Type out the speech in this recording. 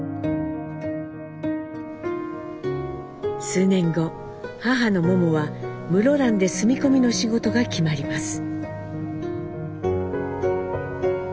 数年後母のモモは室蘭で住み込みの仕事が決まります。